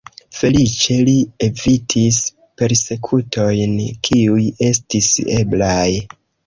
Feliĉe, li evitis persekutojn, kiuj estis eblaj.